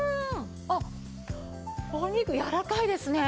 あっお肉やわらかいですね。